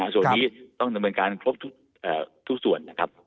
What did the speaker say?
ส่วนนี้ต้องดำเนินการครบทุกส่วนนะครับ